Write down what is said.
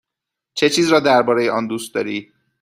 چه چیز را درباره آن دوست داری؟